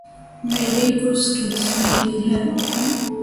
میری خوش قسمتی ہے۔